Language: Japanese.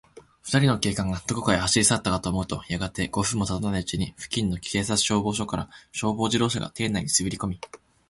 ふたりの警官が、どこかへ走りさったかと思うと、やがて、五分もたたないうちに、付近の消防署から、消防自動車が邸内にすべりこみ、